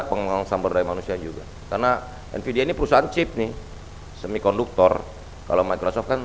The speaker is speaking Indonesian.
penguasaan berdaya manusia juga karena nvidia ini perusahaan chip nih semikonduktor kalau microsoft